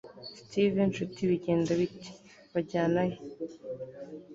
steve nshuti bigenda bite? bajyana he